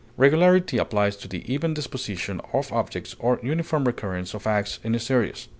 Regularity applies to the even disposition of objects or uniform recurrence of acts in a series.